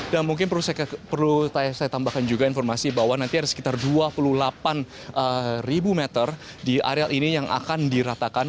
dan mungkin perlu saya tambahkan juga informasi bahwa nanti ada sekitar dua puluh delapan ribu meter di area ini yang akan diratakan